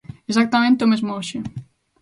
Exactamente o mesmo hoxe.